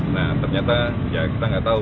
nah ternyata kita gak tahu